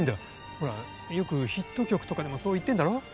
ほらよくヒット曲とかでもそう言ってんだろ？